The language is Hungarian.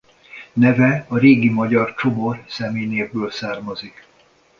Neve a régi magyar Csomor személynévből származik.